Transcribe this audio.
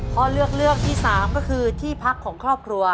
พ่อเลือกเรื่องที่๓ก็คือที่พักของครอบครัว